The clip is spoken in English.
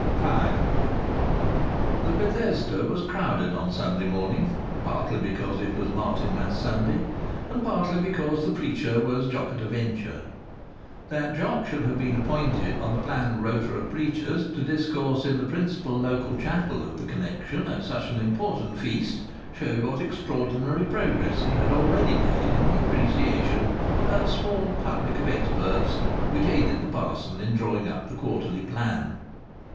V The Bethesda was crowded on Sunday morning; partly because it was Martinmas Sunday, and partly because the preacher was Jock at a Venture. That Jock should have been appointed on the "plan" [rota of preachers] to discourse in the principal local chapel of the Connexion at such an important feast showed what extraordinary progress he had already made in the appreciation of that small public of experts which aided the parson in drawing up the quarterly plan.